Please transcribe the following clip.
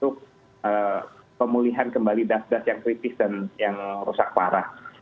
untuk pemulihan kembali das das yang kritis dan yang rusak parah